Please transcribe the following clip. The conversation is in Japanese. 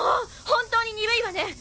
本当ににぶいわね。